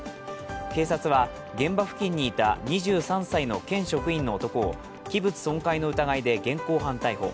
警察は現場付近にいた２３歳の県職員の男を器物損壊の疑いで現行犯逮捕。